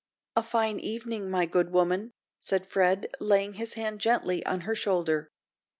"A fine evening, my good woman," said Fred, laying his hand gently on her shoulder.